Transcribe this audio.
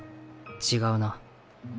違うな。